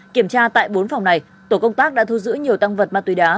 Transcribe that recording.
kiểm tra tại bốn phòng này tổ công tác đã thu giữ nhiều tăng vật ma túy đá